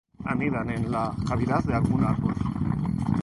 Anidan en la cavidad de algún árbol.